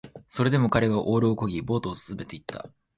それでも彼はオールを漕ぎ、ボートを進めていった